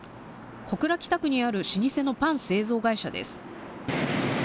小倉北区にある老舗のパン製造会社です。